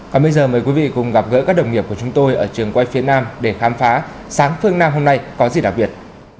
còn bây giờ mời quý vị cùng gặp gỡ các đồng nghiệp của chúng tôi ở trường quay phía nam để khám phá sáng phương nam hôm nay có gì đặc biệt